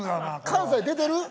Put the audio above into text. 関西出てる？